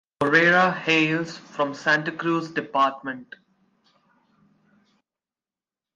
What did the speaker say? Moreira hails from Santa Cruz Department.